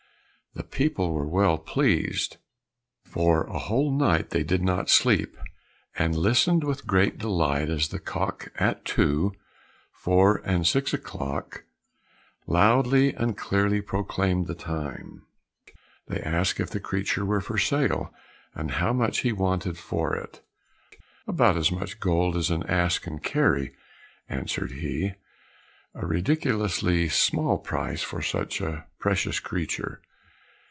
The people were well pleased; for a whole night they did not sleep, and listened with great delight as the cock at two, four, and six o'clock, loudly and clearly proclaimed the time. They asked if the creature were for sale, and how much he wanted for it? "About as much gold as an ass can carry," answered he. "A ridiculously small price for such a precious creature!"